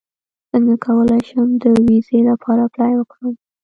څنګه کولی شم د ویزې لپاره اپلای وکړم